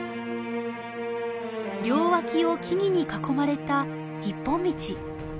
両脇を木々に囲まれた一本道。